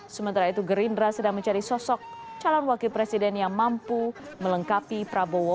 sementara itu gerindra sedang mencari sosok calon wakil presiden yang mampu melengkapi prabowo